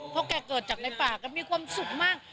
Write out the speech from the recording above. เพราะแกเกิดจากในป่าแกมีความสุขมาก